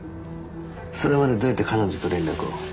それまでどうやって彼女と連絡を？